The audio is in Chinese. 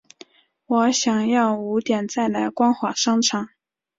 我想要五点再来光华商场